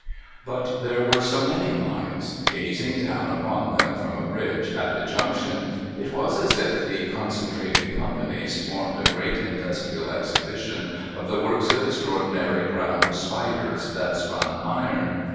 But there were so many Lines. Gazing down ui)on them from a bridge at the Junction, it was as if the concentrating Companies formed a great Industrial Exhibition of tlie works of extraordinary ground spiders that spun iron.